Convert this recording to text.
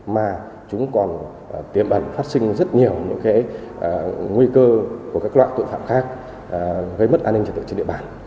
mà chúng còn tiềm ẩn phát sinh rất nhiều những nguy cơ của các loại tội phạm khác gây mất an ninh trật tự trên địa bàn